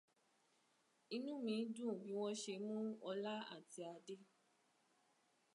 Inú mí dùn bí wọ́n ṣe mú Ọlá àti Adé.